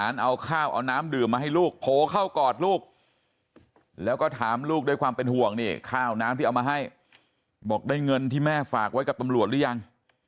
ด้วยความเป็นห่วงนี่ข้าวน้ำที่เอามาให้บอกได้เงินที่แม่ฝากไว้กับตำรวจหรือยัง